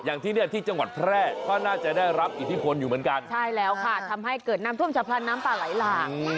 อย่างที่เนี่ยที่จังหวัดแพร่ก็น่าจะได้รับอิทธิพลอยู่เหมือนกันใช่แล้วค่ะทำให้เกิดน้ำท่วมฉับพลันน้ำป่าไหลหลาก